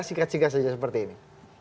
singkat singkat saja seperti ini